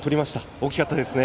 大きかったですね。